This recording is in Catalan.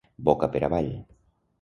Boca per avall.